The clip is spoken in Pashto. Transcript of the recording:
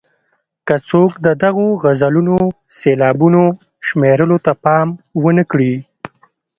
که څوک د دغو غزلونو سېلابونو شمېرلو ته پام ونه کړي.